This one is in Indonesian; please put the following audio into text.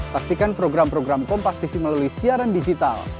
saksikan program program kompastv melalui siaran digital